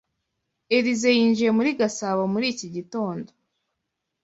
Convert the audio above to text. Elyse yinjiye muri Gasabo muri iki gitondo.